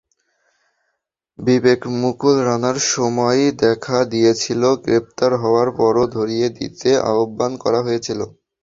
বিবেকমুকুল রানার সময় দেখা গিয়েছিল গ্রেপ্তার হওয়ার পরও ধরিয়ে দিতে আহ্বান করা হয়েছিল।